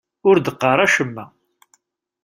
Ur d-qqaṛ acemma.